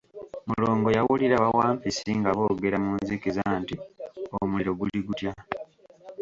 Mulongo yawulira bawampisi nga boogera mu nzikiza nti, omuliro guli gutya?